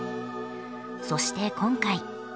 そして今回。